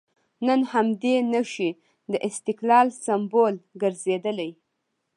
نن همدې نښې د استقلال سمبول ګرځېدلي.